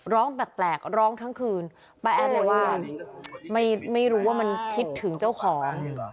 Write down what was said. ร้องแปลกร้องทั้งคืนป้าแอดเลยว่าไม่รู้ว่ามันคิดถึงเจ้าของ